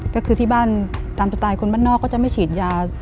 ก็คือที่บ้านตามสไตล์คนบ้านนอกก็จะไม่ฉีดยา